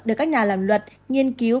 để các nhà làm luật nghiên cứu